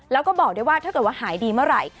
แล้วก็บอกได้ว่าถ้าเกิดว่าหายดีเมื่อไหร่